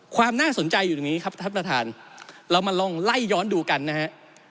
ความน่าสนใจอยู่ตรงนี้ครับท่านประธานเรามาลองไล่ย้อนดูกันนะฮะ